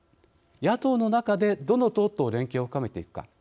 野党の中でどの党と連携を深めていくか。